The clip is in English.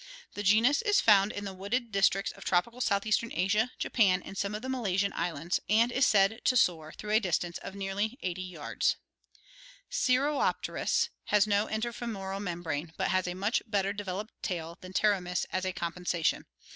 The genus is found in the wooded districts of tropical southeastern Asia, Japan, and some of the Malasian Islands, and is said to soar through a distance of nearly 80 yards. Sciuropterus (Fig. 89) has no interfemoral membrane, but has a much better developed tail than Pterotnys as a compensation.